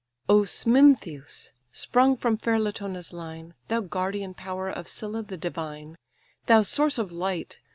"O Smintheus! sprung from fair Latona's line, Thou guardian power of Cilla the divine, Thou source of light!